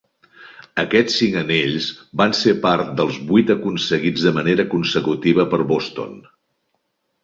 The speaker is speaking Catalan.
Aquests cinc anells van ser part dels vuit aconseguits de manera consecutiva per Boston.